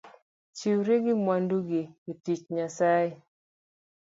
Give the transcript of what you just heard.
Chiwri gi mwanduni e tich Nyasaye